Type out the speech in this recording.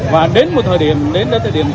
và đến một thời điểm